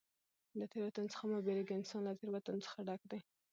له تېروتنو څخه مه بېرېږه! انسان له تېروتنو څخه ډګ دئ.